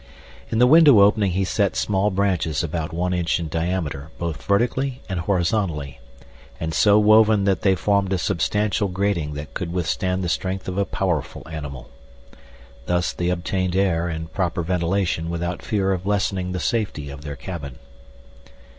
In the window opening he set small branches about an inch in diameter both vertically and horizontally, and so woven that they formed a substantial grating that could withstand the strength of a powerful animal. Thus they obtained air and proper ventilation without fear of lessening the safety of their cabin.